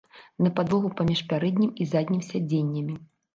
На падлогу паміж пярэднім і заднім сядзеннямі.